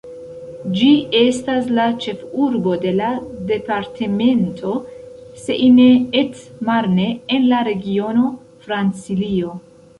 Ĝi estas la ĉefurbo de la departemento Seine-et-Marne, en la regiono Francilio.